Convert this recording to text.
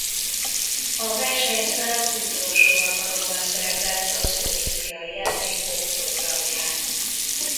A versenyszám utolsó alkalommal szerepelt az olimpiai játékok programján.